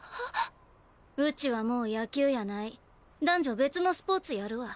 うちはもう野球やない男女別のスポーツやるわ。